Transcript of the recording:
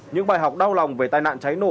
những bài học đau lòng về tai nạn cháy nổ